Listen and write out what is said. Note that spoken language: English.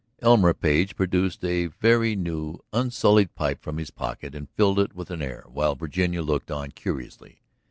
Elmer Page produced a very new, unsullied pipe from his pocket and filled it with an air, while Virginia looked on curiously.